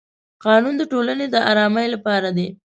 قانون د ټولنې د ارامۍ لپاره دی.